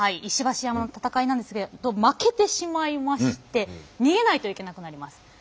石橋山の戦いなんですけど負けてしまいまして逃げないといけなくなります。